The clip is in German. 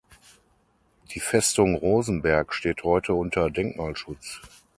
Die Festung Rosenberg steht heute unter Denkmalschutz.